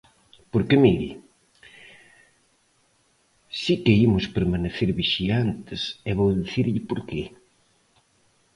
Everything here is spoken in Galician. Porque mire, si que imos permanecer vixiantes e vou dicirlle por que.